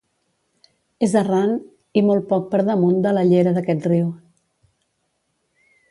És a ran i molt poc per damunt de la llera d'aquest riu.